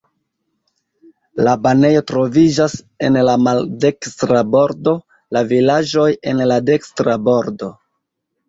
La banejo troviĝas en la maldekstra bordo, la vilaĝoj en la dekstra bordo.